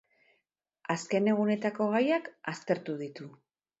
Azken egunetako gaiak aztertu ditu.